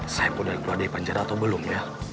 saya udah keluar dari penjara atau belum ya